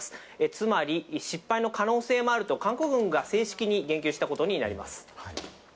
つまり失敗の可能性もあると韓国軍が正式に言及したことになります。